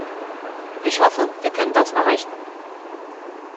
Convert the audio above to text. Ich hoffe, wir können das erreichen.